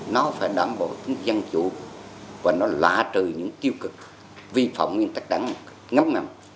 nó phải đảm bảo tính dân chủ và nó lạ trừ những tiêu cực vi phỏng nguyên tắc đắng ngấm ngầm